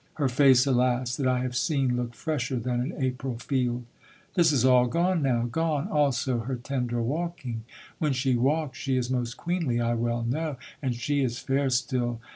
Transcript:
Her face, alas! that I have seen Look fresher than an April field, This is all gone now; gone also Her tender walking; when she walks She is most queenly I well know, And she is fair still.